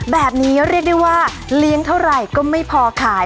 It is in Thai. แบบนี้เรียกได้ว่าเลี้ยงเท่าไหร่ก็ไม่พอขาย